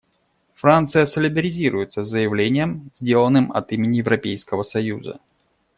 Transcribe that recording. Франция солидаризируется с заявлением, сделанным от имени Европейского союза.